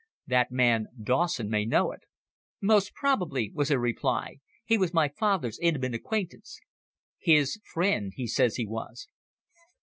That man Dawson may know it." "Most probably," was her reply. "He was my father's intimate acquaintance." "His friend he says he was."